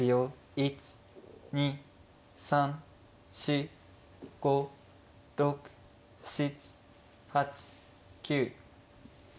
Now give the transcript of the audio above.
１２３４５６７８９。